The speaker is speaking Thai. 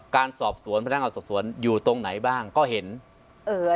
การสอบสวนพนักงานสอบสวนอยู่ตรงไหนบ้างก็เห็นเอ่อ